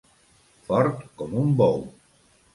Fort com un bou.